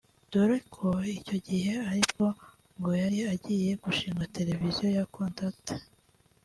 dore ko icyo gihe ari bwo ngo yari agiye gushinga televiziyo ya Contact